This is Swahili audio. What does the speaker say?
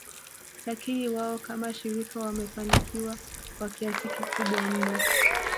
Lakini wao kama shirika wamefanikiwa kwa kiasi kikubwa mno